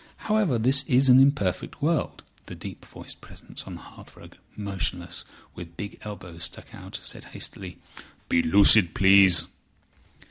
However, this is an imperfect world—" The deep voiced Presence on the hearthrug, motionless, with big elbows stuck out, said hastily: "Be lucid, please."